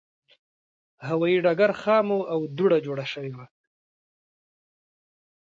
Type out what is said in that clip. هوایي ډګر خام و او دوړه جوړه شوه.